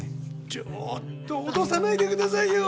ちょっと脅さないで下さいよ。